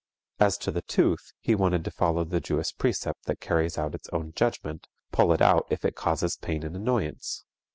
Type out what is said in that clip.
As to the tooth he wanted to follow the Jewish precept that carries out its own judgment, "pull it out if it causes pain and annoyance."